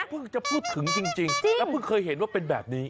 เพิ่งจะพูดถึงจริงแล้วเพิ่งเคยเห็นว่าเป็นแบบนี้